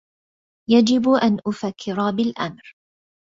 يجب ان أفكر بالأمر